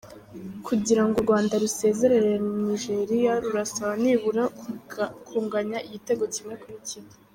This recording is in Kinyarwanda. Kugira ngo u Rwanda rusezerere Nigeria rurasabwa nibura kunganya igitego kimwe kuri kimwe.